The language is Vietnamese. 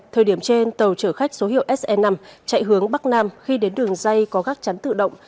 thời điểm trên tàu chở khách số hiệu se năm chạy hướng bắc nam khi đến đường dây có gác chắn tự động